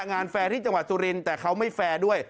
งานแฟที่จังหวัดจุลินแต่เขาไม่แฟด้วย